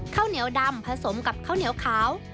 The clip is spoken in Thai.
ข้าวเหนียวดำผสมกับข้าวเหนียวขาว